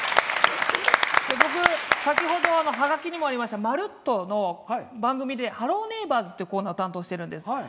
ハガキにもありました「まるっと！」の番組で「ハローネイバーズ」というコーナーを担当してるんです。